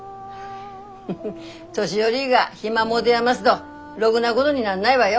フフ年寄りが暇持で余すどろぐなごどになんないわよ。